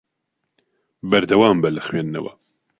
بەردەوام بە لە خوێندنەوە.